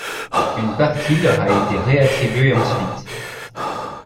Une partie leur a été réattribuée ensuite.